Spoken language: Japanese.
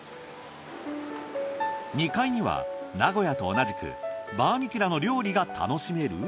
２階には名古屋と同じくバーミキュラの料理が楽しめる。